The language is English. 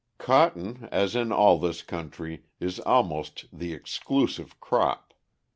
Cotton, as in all this country, is almost the exclusive crop.